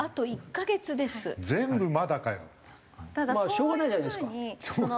しょうがないじゃないですか。